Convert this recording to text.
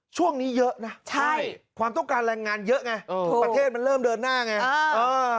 ช่วงนี้เยอะนะใช่ความต้องการแรงงานเยอะไงประเทศมันเริ่มเดินหน้าไง